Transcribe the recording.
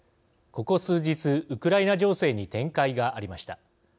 ここ数日、ウクライナ情勢に展開がありました。